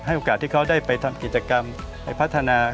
โอกาสที่เขาได้ไปทำกิจกรรมไปพัฒนา